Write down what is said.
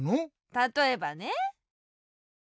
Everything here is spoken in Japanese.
たとえばね。